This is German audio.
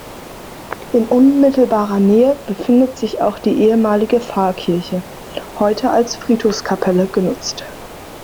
In unmittelbarer Nähe befindet sich auch die ehemalige Pfarrkirche, heute als Friedhofskapelle genutzt.